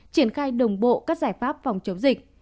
triển khai đồng bộ các giải pháp phòng chống dịch